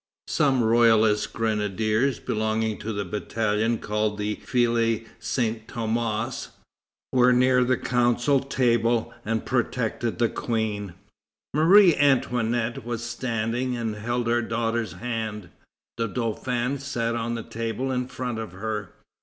Some royalist grenadiers belonging to the battalion called the Filles Saint Thomas, were near the council table and protected the Queen. Marie Antoinette was standing, and held her daughter's hand. The Dauphin sat on the table in front of her.